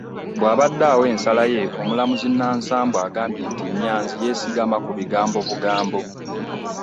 Bw'abadde awa ensala ye omulamuzi Nansambu agambye nti Nyanzi yeesigama ku bigambo obugambo